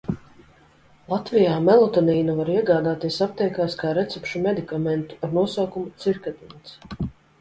"Latvijā melatonīnu var iegādāties aptiekās kā recepšu medikamentu ar nosaukumu "cirkadīns"."